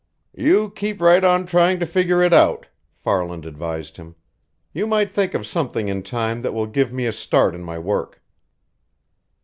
"You keep right on trying to figure it out," Farland advised him. "You might think of something in time that will give me a start in my work."